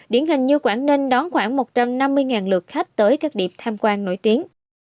điển hình như quảng ninh đón khoảng một trăm năm mươi lượt khách tới các điểm tham quan nổi tiếng